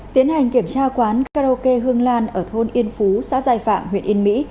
tiến hành kiểm tra quán karaoke hương lan ở thôn yên phú xã giai phạm huyện yên mỹ